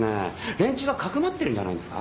連中がかくまってるんじゃないですか？